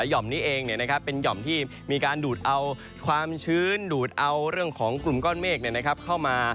หย่อมนี้เองเนี้ยนะครับเป็นหย่อมที่มีการดูดเอาความชื้นดูดเอาเรื่องของกลุ่มก้อนเมฆเนี้ยนะครับ